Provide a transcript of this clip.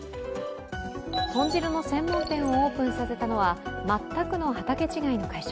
豚汁の専門店をオープンさせたのは全くの畑違いの会社。